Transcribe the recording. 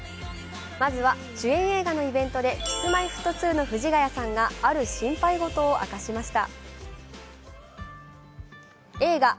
まずは主演映画のイベントでＫｉｓ−Ｍｙ−Ｆｔ２の藤ヶ谷さんがある心配事を明かしました。